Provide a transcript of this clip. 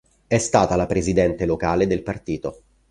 È stata la presidente locale del partito.